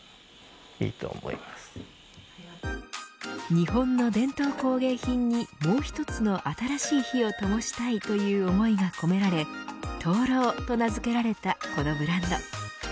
日本の伝統工芸品にもう一つの新しい火をともしたいという思いが込められＴＯＵＲＯＵと名付けられたこのブランド。